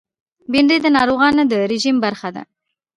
بېنډۍ د ناروغانو د رژیم برخه ده